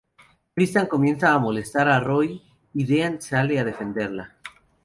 Tristan comienza a molestar a Rory y Dean sale a defenderla.